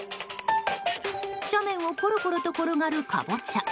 斜面をコロコロと転がるカボチャ。